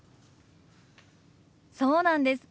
そうなんです。